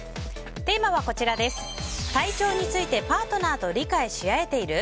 テーマは、体調についてパートナーと理解し合えている？